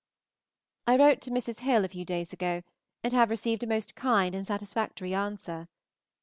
I wrote to Mrs. Hill a few days ago, and have received a most kind and satisfactory answer.